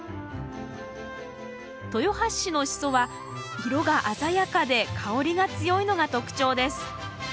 豊橋市のシソは色が鮮やかで香りが強いのが特徴です。